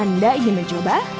anda ingin mencoba